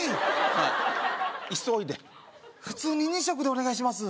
はい急いで普通に２食でお願いします